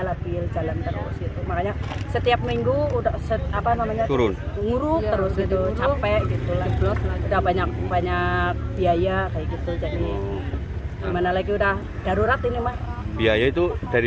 lebih banyak banyak biaya kayak gitu jadi gimana lagi udah darurat ini biaya itu dari